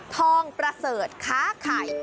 ทองประเสริฐค้าไข่